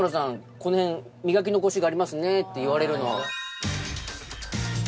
この辺磨き残しがありますね」って言われるの。